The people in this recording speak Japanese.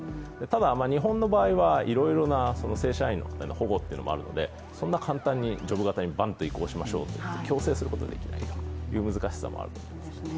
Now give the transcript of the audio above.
ただ、日本の場合はいろいろな正社員の保護というのもあるのでそんな簡単にジョブ型にバンと移行しましょうと矯正することは出来ないという難しさがありますね。